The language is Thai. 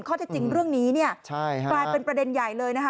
ข้อเท็จจริงเรื่องนี้เนี่ยกลายเป็นประเด็นใหญ่เลยนะคะ